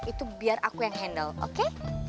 itu biar aku yang handle oke